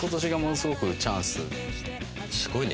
すごいね。